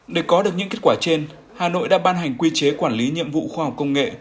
để có được những kết quả trên hà nội đã ban hành quy chế quản lý nhiệm vụ khoa học công nghệ